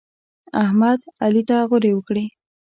احمد؛ علي ته غورې وکړې.